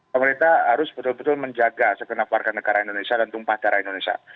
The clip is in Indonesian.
pemerintah harus betul betul menjaga segenap warga negara indonesia dan tumpah darah indonesia